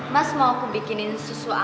mas mau aku bikinin susu